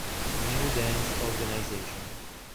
New Dance Organization.